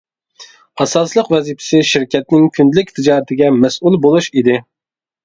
ئاساسلىق ۋەزىپىسى شىركەتنىڭ كۈندىلىك تىجارىتىگە مەسئۇل بولۇش ئىدى.